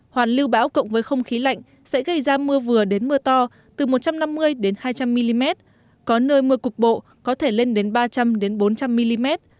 hoàn lưu bão cộng với không khí lạnh sẽ gây ra mưa vừa đến mưa to từ một trăm năm mươi hai trăm linh mm có nơi mưa cục bộ có thể lên đến ba trăm linh bốn trăm linh mm